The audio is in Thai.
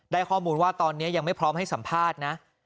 ข้อมูลว่าตอนนี้ยังไม่พร้อมให้สัมภาษณ์นะ